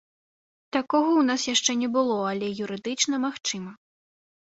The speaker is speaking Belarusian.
Такога ў нас яшчэ не было, але юрыдычна магчыма.